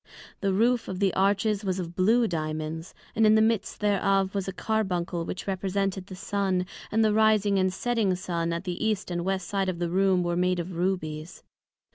The roof of the Arches was of blew Diamonds, and in the midst thereof was a Carbuncle, which represented the Sun; and the Rising and Setting Sun at the East and West side of the Room were made of Rubies.